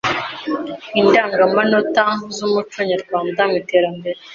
Indangamanota z’Umuco Nyarwanda mu Iterambere”